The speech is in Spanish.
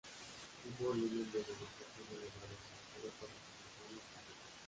Un volumen de negociación elevado es necesario para confirmar la tendencia.